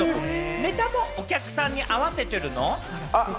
ネタもお客さんに合わせてるの？